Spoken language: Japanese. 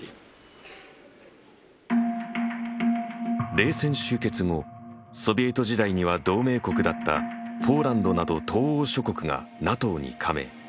冷戦終結後ソビエト時代には同盟国だったポーランドなど東欧諸国がＮＡＴＯに加盟。